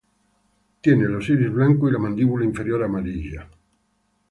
Tiene los iris blancos y la mandíbula inferior amarilla.